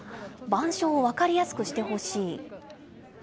板書を分かりやすくしてほしい。